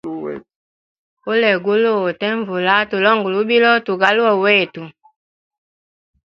Ulwegulu utenvula tulonge lubilo tugaluwe wetu.